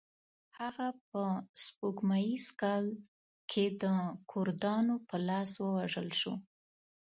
هغه په سپوږمیز کال کې د کردانو په لاس ووژل شو.